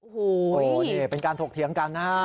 โอ้โหนี่เป็นการถกเถียงกันนะฮะ